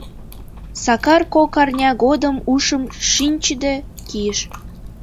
Сакар кок арня годым ушым шинчыде кийыш.